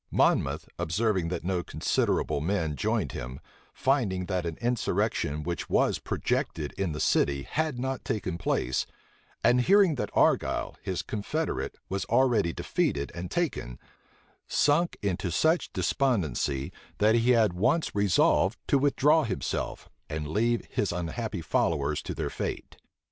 Monmouth, observing that no considerable men joined him, finding that an insurrection which was projected in the city had not taken place, and hearing that Argyle, his confederate, was already defeated and taken, sunk into such despondency, that he had once resolved to withdraw himself, and leave his unhappy followers to their fate.